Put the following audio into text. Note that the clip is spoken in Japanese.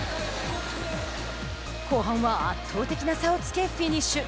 後半は圧倒的な差をつけフィニッシュ。